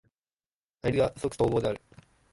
対立が即綜合である。